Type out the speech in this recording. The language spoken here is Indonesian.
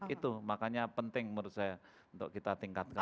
itu makanya penting menurut saya untuk kita tingkatkan